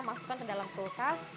masukkan ke dalam kulkas